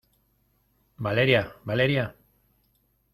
Valeria. Valeria .